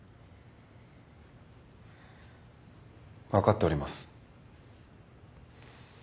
分かっております。